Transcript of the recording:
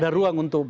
ada ruang untuk